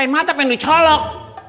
mata penuh colok